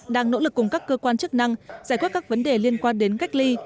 đang nỗ lực cùng các cơ quan chức năng giải quyết các vấn đề liên quan đến cách ly